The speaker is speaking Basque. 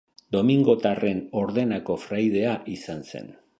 Domingotarren Ordenako fraidea izan zen.